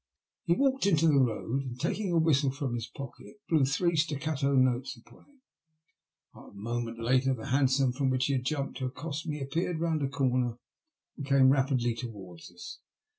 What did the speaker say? He walked into the road and, taking a whistle from his pocket, blew three itaccato notes upon it. A moment later the hansom from which he had jumped to accost me appeared 69 THE LUST OF HATB. ronnd a comer and came rapidly towards us.